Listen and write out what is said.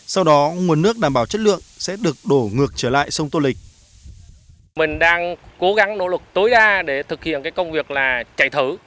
sau đó nguồn nước đảm bảo chất lượng sẽ được đổ ngược trở lại sông tô lịch